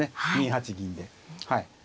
２八銀ではい。